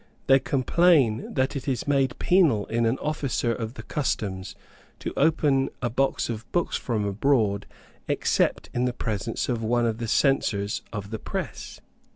They complain that it is made penal in an officer of the Customs to open a box of books from abroad, except in the presence of one of the censors of the press.